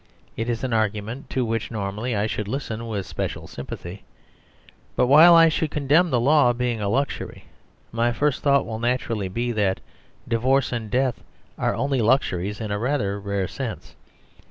It is an argument to which normally I should listen with special sympathy. But while I should condemn the law being a lux ury, my first thought will naturally be that divorce and death are only luxuries in a rather rare sense.